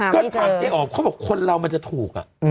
ก็ถามเจ๊อ๋อมเขาบอกคนเรามันจะถูก